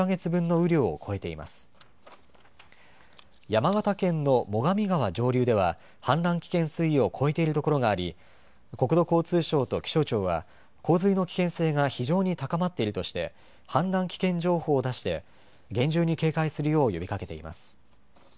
山形県の最上川上流では氾濫危険水位を超えている所があり国土交通省と気象庁は洪水の危険性が非常に高まっているとして氾濫危険情報を出して厳重に警戒するよう呼びかけています。